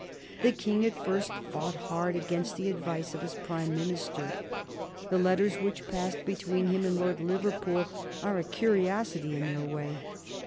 The King at first fought hard against the advice of his Prime Minister. The letters which passed between him and Lord Liverpool are a curiosity in their way.